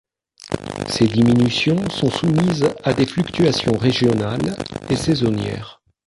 Ces diminutions sont soumises à des fluctuations régionales et saisonnières.